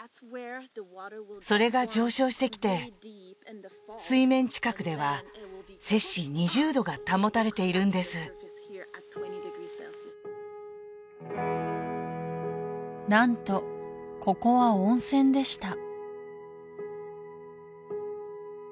それが上昇してきて水面近くでは摂氏２０度が保たれているんです何とここは温泉でした